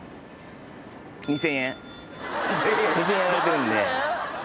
２，０００円やられてるんで。